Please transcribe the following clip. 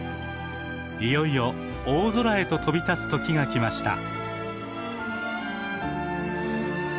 いよいよ大空へと飛び立つ時が来ました。